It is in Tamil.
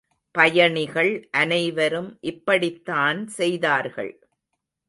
பயணிகள் அனைவரும் இப்படித்தான் செய்தார்கள்.